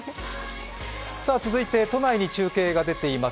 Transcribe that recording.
続いて都内に中継が出ています。